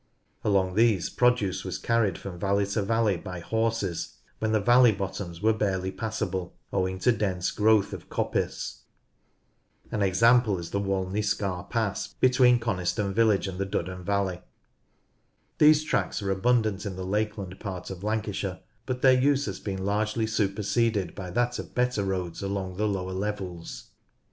Along these produce was carried from valley to valley by horses, when the valley bottoms were barely passable owing to dense growth of coppice. An example is the Walney Scar Pass between Coniston village and the Duddon valley. These tracks are abundant in the lakeland part of Lancashire, but their use has been largely superseded by that of better roads along the lower levels.